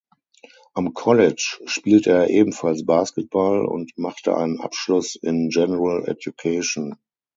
Am College spielte er ebenfalls Basketball und machte einen Abschluss in General Education.